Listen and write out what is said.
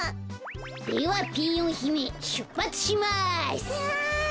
ではピーヨンひめしゅっぱつします！わい！